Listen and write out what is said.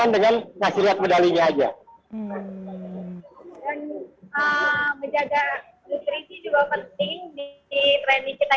dan menjaga nutrisi juga penting di training kita ini karena